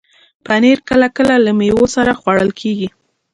پنېر کله کله له میوو سره خوړل کېږي.